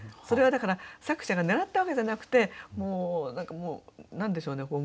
それはだから作者が狙ったわけじゃなくてもう何でしょうね